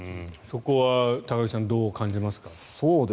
そこは高木さんどう感じますか？